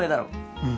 うん。